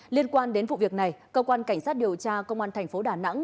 liên quan đến vụ việc này công an cảnh sát điều tra công an thành phố đà nẵng